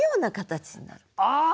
ああ！